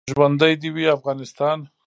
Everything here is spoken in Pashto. ژوندی دې وي افغانستان.